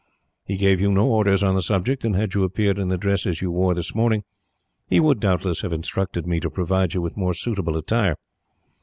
He gave you no orders on the subject, and had you appeared in the dresses you wore this morning, he would, doubtless, have instructed me to provide you with more suitable attire.